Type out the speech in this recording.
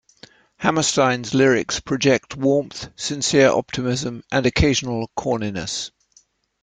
Hammerstein's lyrics project warmth, sincere optimism, and occasional corniness.